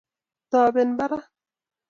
toben barak